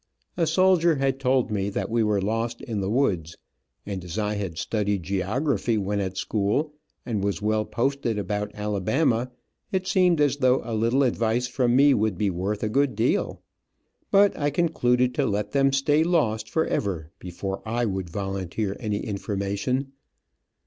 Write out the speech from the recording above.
A soldier had told me that we were lost in the woods, and as I had studied geography when at school, and was well posted about Alabama, it seemed as though a little advice from me would be worth a good deal. But I concluded to let them stay lost forever before I would volunteer any information.